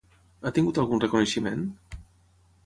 Ha tingut algun reconeixement?